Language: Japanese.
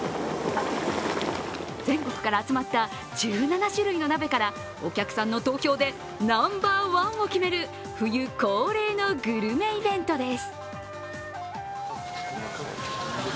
全国から集まった１７種類の鍋からお客さんの投票でナンバーワンを決める、冬恒例のグルメイベントです。